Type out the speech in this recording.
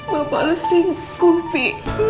bapak harus singkupi